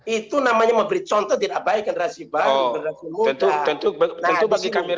itu namanya memberi contoh tidak baik generasi baru bagi kami